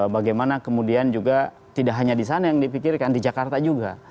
bagaimana kemudian juga tidak hanya di sana yang dipikirkan di jakarta juga